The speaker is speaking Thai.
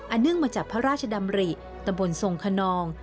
เนื่องมาจากพระราชดำริตะบนทรงคนนอง